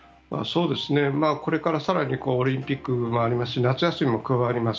これから更にオリンピックもありますし夏休みも加わります。